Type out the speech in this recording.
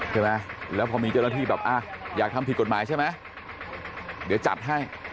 ใช่ไหมแล้วพอมีเจ้าหน้าที่แบบอ่ะอยากทำผิดกฎหมายใช่ไหมเดี๋ยวจัดให้